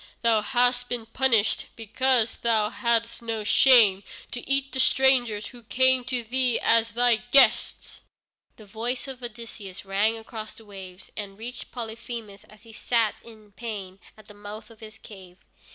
Thou hast been punished because thou hadst no shame to eat the strangers who came to thee as thy guests!" The voice of Odysseus rang across the waves, and reached Polyphemus as he sat in pain at the mouth of his cave.